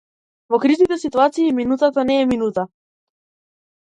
Во кризните ситуации минутата не е минута.